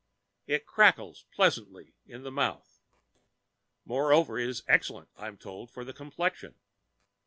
It crackles pleasantly in the mouth. Moreover it is excellent, I am told, for the complexion.